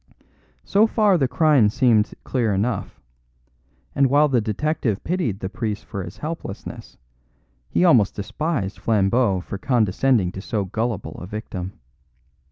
So far the crime seemed clear enough; and while the detective pitied the priest for his helplessness, he almost despised Flambeau for condescending to so gullible a victim.